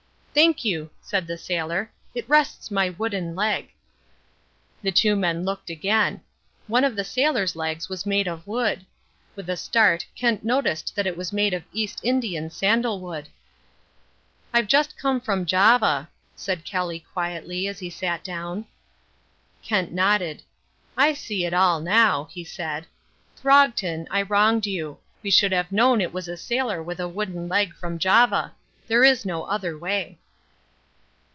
"Thank you," said the sailor, "it rests my wooden leg." The two men looked again. One of the sailor's legs was made of wood. With a start Kent noticed that it was made of East Indian sandalwood. "I've just come from Java," said Kelly quietly, as he sat down. Kent nodded. "I see it all now," he said. "Throgton, I wronged you. We should have known it was a sailor with a wooden leg from Java. There is no other way."